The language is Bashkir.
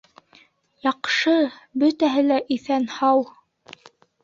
Яҡшы! Бөтәһе лә иҫән-һау!